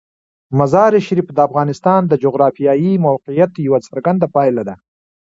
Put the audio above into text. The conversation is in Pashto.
مزارشریف د افغانستان د جغرافیایي موقیعت یوه څرګنده پایله ده.